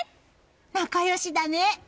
仲良しだね！